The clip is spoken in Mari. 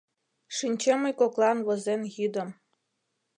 «Шинчем мый коклан возен йӱдым...»